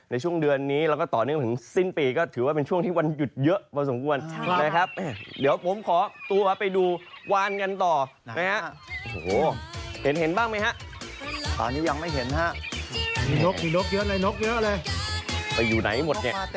ในช่วงเดือนนี้ต่อนี้ถึงสิ้นปีก็ถือว่าเป็นช่วงที่วันหยุดเยอะบ้างสมบูรณ์นะครับ